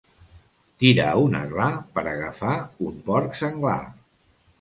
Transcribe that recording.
Tirar un aglà per agafar un porc senglar.